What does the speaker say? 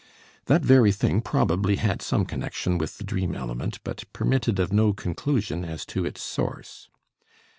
That very thing probably had some connection with the dream element, but permitted of no conclusion as to its source.